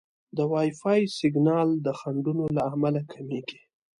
د وائی فای سیګنال د خنډونو له امله کمېږي.